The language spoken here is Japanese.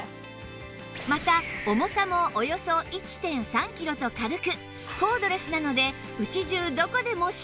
また重さもおよそ １．３ キロと軽くコードレスなので家中どこでも使用可能